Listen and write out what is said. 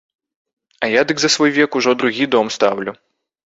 А я дык за свой век ужо другі дом стаўлю.